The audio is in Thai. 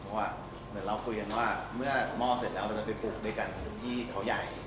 เพราะว่าเหมือนเราคุยกันว่าเมื่อหม้อเสร็จแล้วเราจะไปปลูกด้วยกันพื้นที่เขาใหญ่